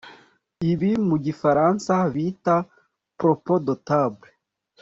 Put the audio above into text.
ibi mu gifaransa bita “propos de table”